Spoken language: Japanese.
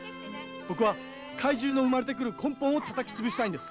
僕は怪獣の生まれてくる根本をたたき潰したいんです。